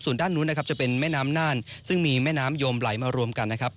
ส่วนด้านนู้นนะครับจะเป็นแม่น้ำน่านซึ่งมีแม่น้ำยมไหลมารวมกันนะครับ